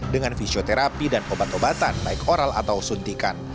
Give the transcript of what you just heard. dengan fisioterapi dan obat obatan baik oral atau suntikan